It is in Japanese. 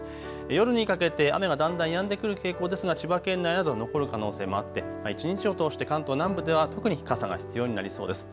夜にかけて雨がだんだんやんでくる傾向ですが、千葉県内など残る可能性もあって一日を通して関東南部では特に傘が必要になりそうです。